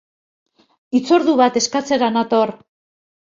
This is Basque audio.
Hitzordu bat eskatzera nator